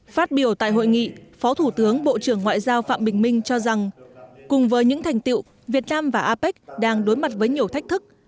phát biểu tại hội nghị phó thủ tướng bộ trưởng ngoại giao phạm bình minh cho rằng cùng với những thành tiệu việt nam và apec đang đối mặt với nhiều thách thức